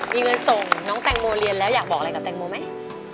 มีเงินส่งน้องแตงโมเรียนแล้วอยากบอกอะไรกับแตงโมไหม